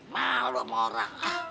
malu sama orang